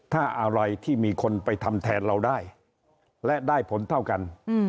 ถ้าอะไรที่มีคนไปทำแทนเราได้และได้ผลเท่ากัน